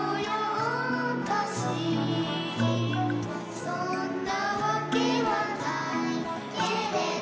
「そんなわけはないけれど」